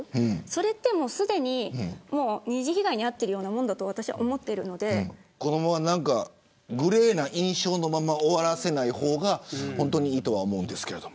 それはすでに二次被害に遭っているようなものだとこのままグレーな印象のまま終わらせない方がいいとは思うんですけど。